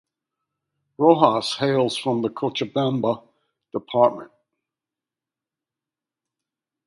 Rojas hails from the Cochabamba Department.